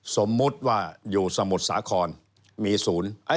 อ๋อสมมุติว่าอยู่สมุดปาการมีศูนย์